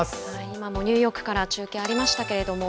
今もニューヨークから中継ありましたけれども、